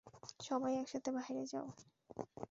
সবাই একসাথে বাইরে যাও!